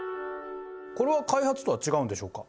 これは開発とは違うんでしょうか？